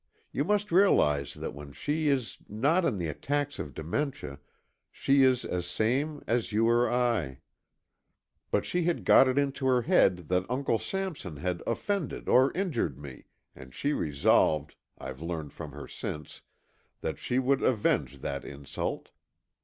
You must realize that when she is not in the attacks of dementia she is as sane as you or I. But she got it into her head that Uncle Sampson had offended or injured me, and she resolved, I've learned from her since, that she would avenge that insult.